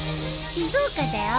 静岡だよ。